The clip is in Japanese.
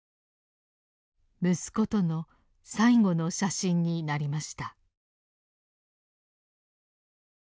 息子との最後の写真になりました。